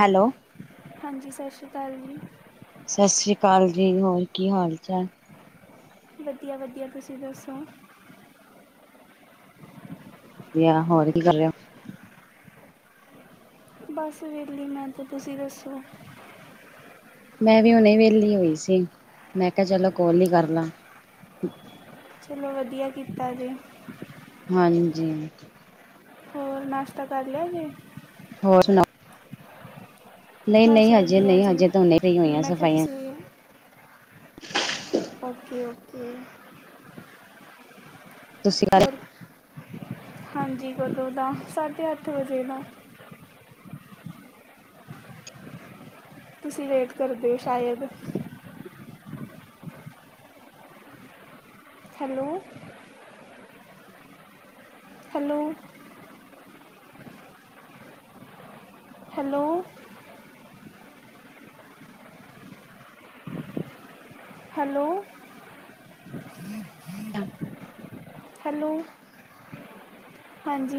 Hello. ਹਾਂਜੀ, ਸਤਿ ਸ਼੍ਰੀ ਅਕਾਲ ਜੀ। ਸਤਿ ਸ਼੍ਰੀ ਅਕਾਲ ਜੀ, ਹੋਰ ਕੀ ਹਾਲ-ਚਾਲ? ਵਧੀਆ-ਵਧੀਆ, ਤੁਸੀਂ ਦੱਸੋ? ਵਧੀਆ, ਹੋਰ ਕੀ ਕਰ ਰਹੇ ਓ? ਬਸ ਵਿਹਲੀ ਮੈਂ ਤੇ, ਤੁਸੀਂ ਦੱਸੋ? ''ਮੈਂ ਵੀ ਹੁਣੇ ਵੇਹਲੀ ਹੋਈ ਸੀ, ਮੈਂ ਕਿਹਾ ਚਲੋ ਕੋਲ ਈ ਕਰਲਾਂ। [inaudible] ਚਲੋ ਵਧੀਆ ਕੀਤਾ ਜੇ। ਹਾਂਜੀ। ਹੋਰ, ਨਾਸ਼ਤਾ ਕਰ ਲਿਆ ਜੇ? ਹੋਰ ਸੁਣਾਓ? ਬਸ ਨਹੀਂ-ਨਹੀਂ, ਹਜੇ ਵਧੀਆ ਨਹੀਂ, ਜੀ ਹਜੇ ਤਾਂ ਹੁਣੀ ਫ੍ਰੀ ਹੋਈਆਂ ਮੈਂ ਕਿਹਾ ਸਫਾਈਆਂ ਤੁਸੀਂ ਓਕੇ-ਓਕੇ। ਤੁਸੀਂ ਹੋਰ, ਹਾਂਜੀ ਕਦੋਂ ਦਾ ਸਾਢੇ ਅੱਠ ਵਜੇ ਦਾ। ਤੁਸੀ ਲੇਟ ਕਰਦੇ ਸ਼ਾਇਦ। Hello hello hello. Hello, hello. ਹਾਂਜੀ